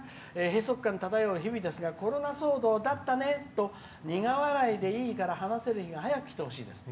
閉塞感漂う日々ですがコロナ騒動だったねと苦笑いでいいから話せる日が早くきてほしいです」。